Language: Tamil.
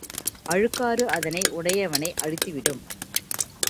அழுக்காறு அதனை உடையவனை அழித்துவிடும்.